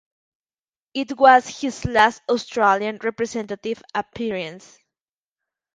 It was his last Australian representative appearance.